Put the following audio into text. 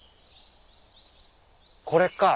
これか。